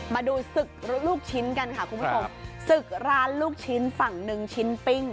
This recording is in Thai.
มาดูศึกลูกชิ้นกันค่ะคุณผู้ชมศึกร้านลูกชิ้นฝั่งหนึ่งชิ้นปิ้ง